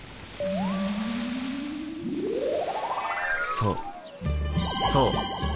そうそう。